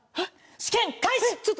試験開始！